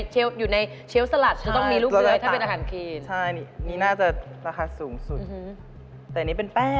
แฮลตี้